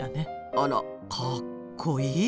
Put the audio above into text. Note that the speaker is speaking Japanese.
あらかっこいい。